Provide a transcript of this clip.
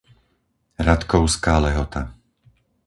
Ratkovská Lehota